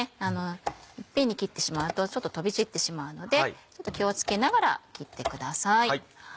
一遍に切ってしまうとちょっと飛び散ってしまうのでちょっと気を付けながら切ってください。